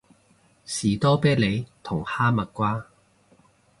士多啤梨同哈蜜瓜